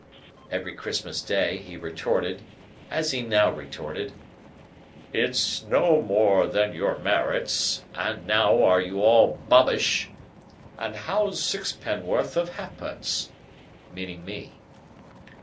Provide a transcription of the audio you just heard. Every Christmas Day, he retorted, as he now retorted, "It's no more than your merits. And now are you all bobbish, and how's Sixpennorth of halfpence?" meaning me.